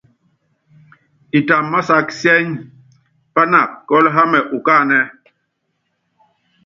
Itamv másák cɛ́ny, pának kɔ́l hámɛ ukáánɛ́.